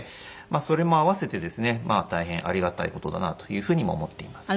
それも併せてですね大変ありがたい事だなというふうにも思っています。